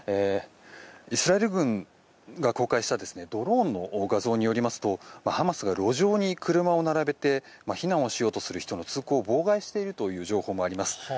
イスラエル軍が公開したドローンの画像によりますとハマスが路上に車を並べて避難をしようとする人の通行を妨害しているという情報もあります。